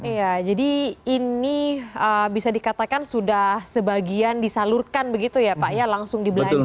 iya jadi ini bisa dikatakan sudah sebagian disalurkan begitu ya pak ya langsung dibelanja